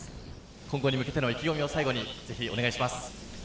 今後に向けての意気込みを、最後にぜひお願いします。